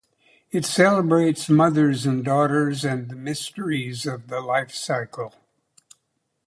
It celebrates mothers and daughters and the mysteries of the life cycle.